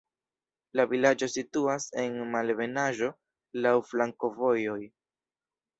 La vilaĝo situas en malebenaĵo, laŭ flankovojoj.